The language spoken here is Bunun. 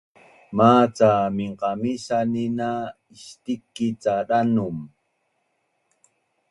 maca minqamisanin na istikic ca danum